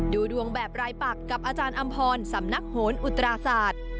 ดูดวงแบบรายปักกับอาจารย์อำพรสำนักโหนอุตราศาสตร์